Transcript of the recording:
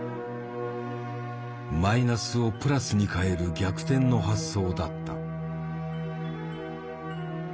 マイナスをプラスに変える逆転の発想だった。